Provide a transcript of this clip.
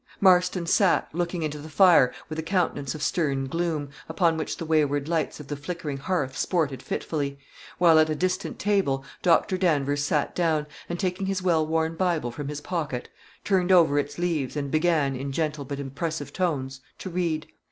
Marston sate, looking into the fire, with a countenance of stern gloom, upon which the wayward lights of the flickering hearth sported fitfully; while at a distant table Doctor Danvers sate down, and, taking his well worn Bible from his pocket, turned over its leaves, and began, in gentle but impressive tones, to read.